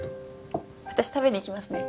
私食べに行きますね。